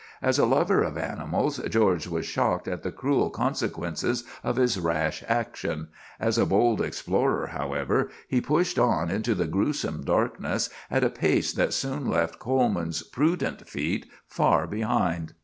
As a lover of animals, George was shocked at the cruel consequences of his rash action; as a bold explorer, however, he pushed on into the gruesome darkness at a pace that soon left Coleman's prudent feet far behind.